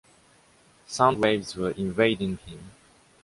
Sound waves were invading him.